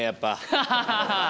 ハハハハ！